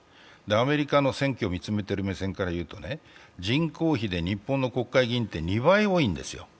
アメリカの選挙を見つめている目線からいうと人口比で日本の国会議員って２倍多いんですよ。